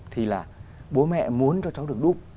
thì là bố mẹ muốn cho cháu được đúp